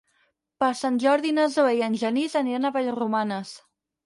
Per Sant Jordi na Zoè i en Genís aniran a Vallromanes.